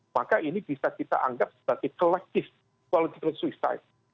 maka ini bisa kita anggap sebagai kolektif kolonial suicide